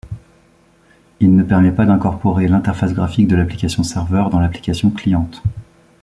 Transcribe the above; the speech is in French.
Il ne permet pas d'incorporer l'interface graphique de l'application serveur dans l'application cliente.